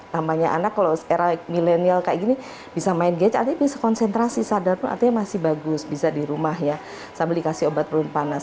namanya anak kalau era milenial kayak gini bisa main gadget artinya bisa konsentrasi sadar pun artinya masih bagus bisa di rumah ya sambil dikasih obat peluru panas